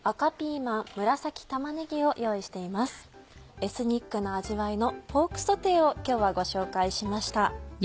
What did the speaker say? エスニックな味わいのポークソテーを今日はご紹介しました。